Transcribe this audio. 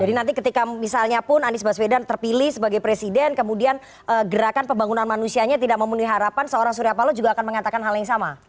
jadi nanti ketika misalnya pun anies baswedan terpilih sebagai presiden kemudian gerakan pembangunan manusianya tidak memenuhi harapan seorang suryapalo juga akan mengatakan hal yang sama